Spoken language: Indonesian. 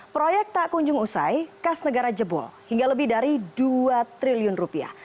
proyek tak kunjung usai kas negara jebol hingga lebih dari dua triliun rupiah